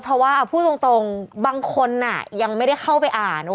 เพราะว่าพูดตรงบางคนยังไม่ได้เข้าไปอ่าน